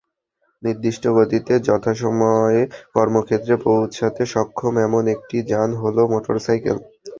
নির্দিষ্ট গতিতে যথাসময়ে কর্মক্ষেত্রে পৌঁছতে সক্ষম এমন একটি যান হলো মোটরসাইকেল।